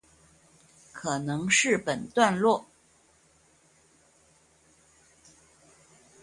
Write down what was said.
可能是本段落